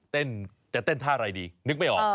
จะเต้นท่าอะไรดีนึกไม่ออก